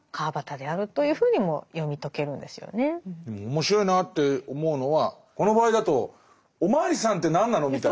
面白いなって思うのはこの場合だとおまわりさんって何なのみたいな。